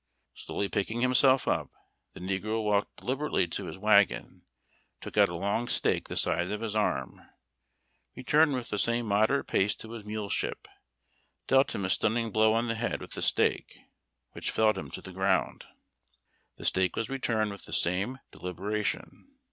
Slowly pick ing himself up, the negro walked deliberately to his wagon, took out a long stake the size of his arm, returned with the same moderate pace to his muleship, dealt him a stunning blow on the head with the stake, which felled him to the ground. The stake was returned with the same delibera tion.